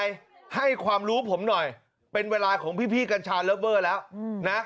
ก็ให้ดูผมหน่อยเป็นเวลาของพี่กัญชาเล่าเวอร์แล้วนะ